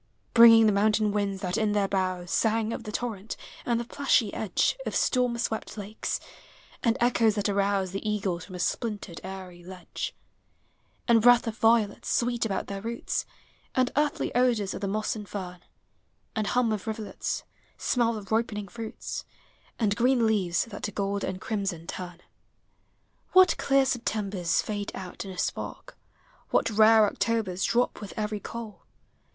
Bringing the mountain winds that in their boughs Sang of the torrent, and the plushy edge Of storm swept hikes; and echoes that arouse The eagles from a splintered eyrie ledge; And breath of violets sweet about their roots; And earthy odors of the moss and fern ; And hum of rivulets; smell of ripening fruits; And green leaves that to gold and crimson turn. What clear Septembers fade out in a spark! W hat rare Octobers drop with every coal